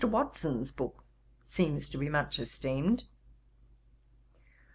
Watson's book seems to be much esteemed.